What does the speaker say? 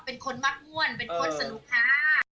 เป็นคนมักม่วนเป็นคนสนุกค่ะ